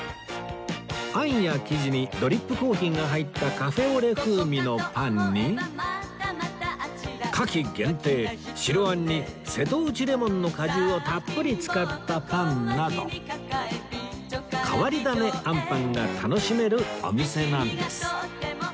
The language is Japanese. あんや生地にドリップコーヒーが入ったカフェオレ風味のパンに夏季限定白あんに瀬戸内レモンの果汁をたっぷり使ったパンなど変わり種あんぱんが楽しめるお店なんです